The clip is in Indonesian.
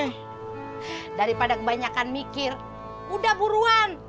eh daripada kebanyakan mikir udah buruan